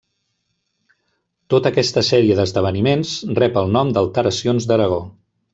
Tota aquesta sèrie d'esdeveniments rep el nom d'Alteracions d'Aragó.